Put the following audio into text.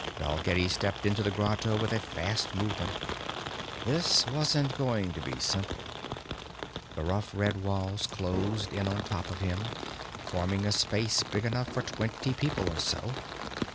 Dalgetty stepped into the grotto with a fast movement. This wasn't going to be simple. The rough red walls closed in on top of him, forming a space big enough for twenty people or so.